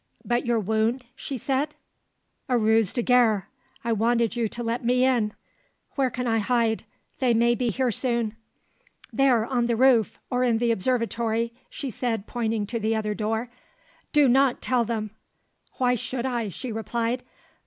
"But your wound?" she said. "A ruse de guerre; I wanted you to let me in. Where can I hide? They may be here soon." "There on the roof, or in the observatory," she said pointing to the other door. "Do not tell them." "Why should I?" she replied.